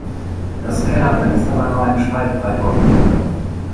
Das Kellerfenster war nur einen Spalt breit offen.